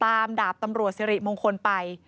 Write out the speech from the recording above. ดาบตำรวจสิริมงคลไป